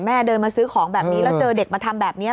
เดินมาซื้อของแบบนี้แล้วเจอเด็กมาทำแบบนี้